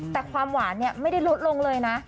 แต่ความหวานเนี่ยไม่ได้ลดลงเลยนะ